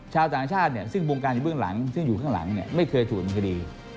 ชาวต่างชาติซึ่งวงการอยู่บริเวณหลังซึ่งอยู่ข้างหลังไม่เคยถูกบริคกานี้